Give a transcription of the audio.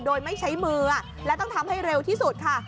โดยไม่ใช้มือและต้องทำให้เร็วที่สุดค่ะ